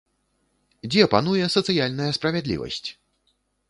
Дзе пануе сацыяльная справядлівасць?